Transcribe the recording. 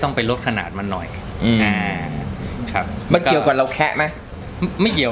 ไปลดขนาดมันหน่อยอืมอ่าครับมันเกี่ยวกับเราแคะไหมไม่เกี่ยว